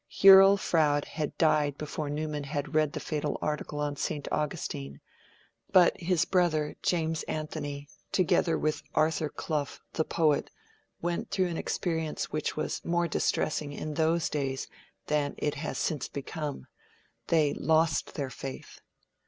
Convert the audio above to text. Hurrell Froude had died before Newman had read the fatal article on St. Augustine; but his brother, James Anthony, together with Arthur Clough, the poet, went through an experience which was more distressing in those days than it has since become; they lost their faith.